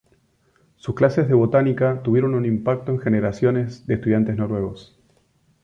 Sus clases de botánica tuvieron un impacto en generaciones de estudiantes noruegos.